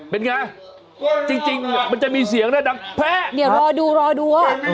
เป็นไงจริงมันจะมีเสียงนะดังแพะเดี๋ยวรอดูรอดูอ่ะ